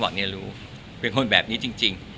เนี่ยรู้เป็นคนแบบนี้จริง